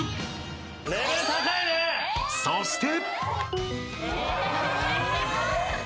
［そして］